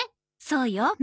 そうよ。